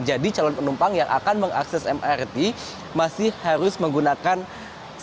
calon penumpang yang akan mengakses mrt masih harus menggunakan kendaraan